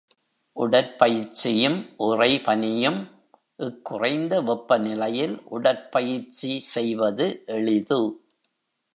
உடற்பயிற்சியும் உறைபனியும் இக்குறைந்த வெப்ப நிலையில் உடற்பயிற்சி செய்வது எளிது.